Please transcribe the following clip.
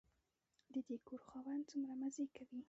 د دې کور خاوند څومره مزې کوي.